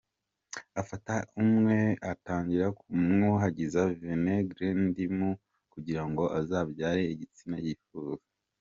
Afata umwe atangira kumwuhagiza vinegere n’indimu kugira ngo azabyare igitsina yifuza.